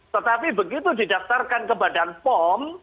tetapi begitu didaftarkan ke badan pom